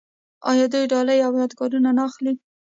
آیا دوی ډالۍ او یادګارونه نه اخلي؟